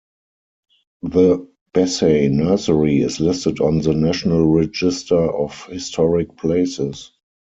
The Bessey Nursery is listed on the National Register of Historic Places.